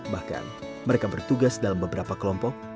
bahkan mereka bertugas dalam beberapa kelompok